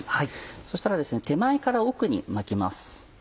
そしたら手前から奥に巻きます。